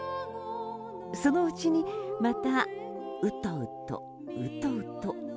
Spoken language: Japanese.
そのうちにまた、うとうと、うとうと。